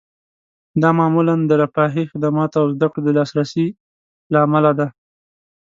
دا معمولاً د رفاهي خدماتو او زده کړو د لاسرسي له امله ده